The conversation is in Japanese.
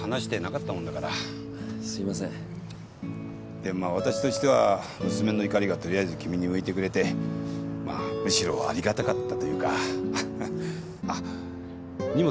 でもまあ私としては娘の怒りがとりあえず君に向いてくれてまあむしろありがたかったというかははっ。あっ荷物ね